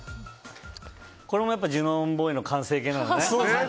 これもやっぱりジュノンボーイの完成形なんだね。